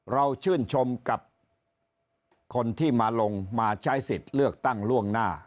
เราชื่นชมกับคนที่มาลงมาใช้สิทธิ์เลือกตั้งล่วงหน้า